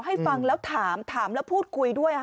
ให้ฟังแล้วถามถามแล้วพูดคุยด้วยค่ะ